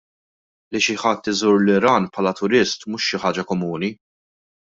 Li xi ħadd iżur l-Iran bħala turist mhux xi ħaġa komuni.